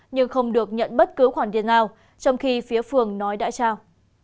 nhưng không được nhận bất cứ khoản tiền nào trong khi phía phường nói đã trao